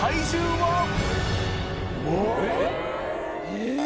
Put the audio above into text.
えっ？